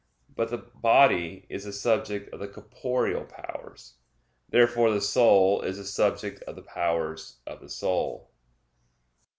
But the body is the subject of the corporeal powers. Therefore the soul is the subject of the powers of the soul.